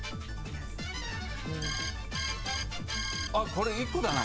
これ１個だな。